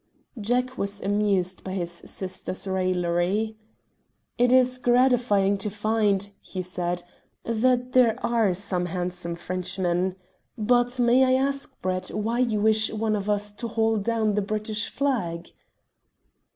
Jack was amused by his sister's raillery. "It is gratifying to find," he said, "that there are some handsome Frenchmen. But may I ask, Brett, why you wish one of us to haul down the British flag?"